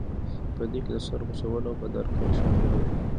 په دې کې د سر غوڅول او په دار کول شامل وو.